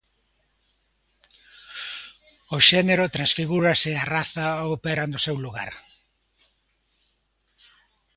O xénero transfigúrase e a raza opera no seu lugar.